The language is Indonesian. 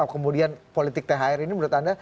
kemudian politik thr ini menurut anda